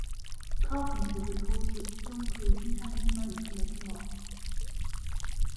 Carpenter recalls that the film crew didn't have any money to make a mask.